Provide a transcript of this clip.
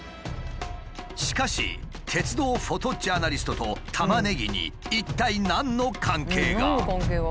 しかし鉄道フォトジャーナリストとタマネギに一体何の関係が。